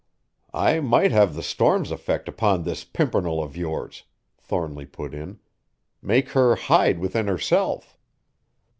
"I might have the storm's effect upon this pimpernel of yours," Thornly put in, "make her hide within herself."